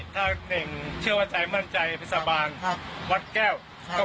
ถ้าหนึ่งเชื่อวจัยมั่นใจพฤษฎาบาลฤทธิ์แก้วใช่